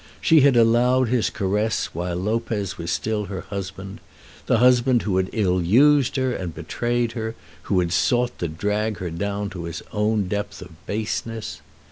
She had allowed his caress while Lopez was still her husband, the husband who had ill used her and betrayed her, who had sought to drag her down to his own depth of baseness.